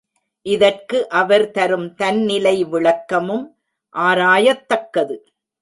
இதற்கு அவர் தரும் தன்னிலை விளக்கமும் ஆராயத்தக்கது.